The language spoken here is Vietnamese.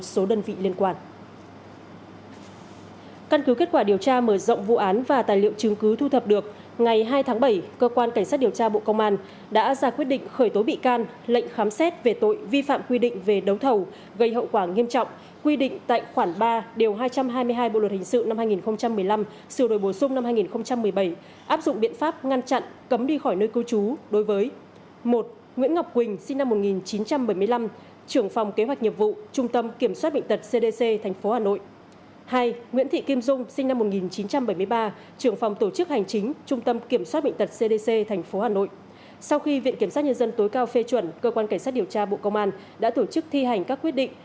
sau khi viện kiểm soát nhân dân tối cao phê chuẩn cơ quan cảnh sát điều tra bộ công an đã tổ chức thi hành các quyết định